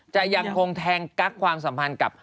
จะยังคงแทงกั๊กความสัมพันธ์กับ